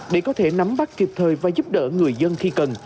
để có thể nắm bắt kịp thời và giúp đỡ người dân khi cần